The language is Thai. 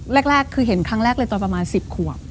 แรกคือเห็นครั้งแรกเลยตอนประมาณ๑๐ขวบ